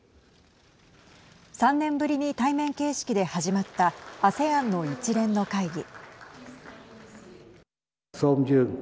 ３年ぶりに対面形式で始まったＡＳＥＡＮの一連の会議。